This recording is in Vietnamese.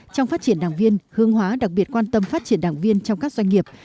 trong phát triển đảng viên hương hóa đặc biệt quan tâm phát triển đảng viên trong các doanh nghiệp